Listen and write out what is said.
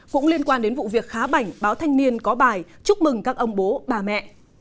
cũng liên quan đến vụ việc khá bảnh báo thanh niên có bài chúc mừng các ông bố bà mẹ